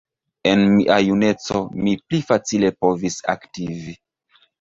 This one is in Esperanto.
En mia juneco mi pli facile povis aktivi.